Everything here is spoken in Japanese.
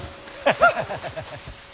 ハハハハハッ。